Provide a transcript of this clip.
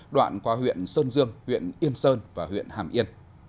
đoạn qua huyện sơn dương huyện yên sơn và huyện hàm yên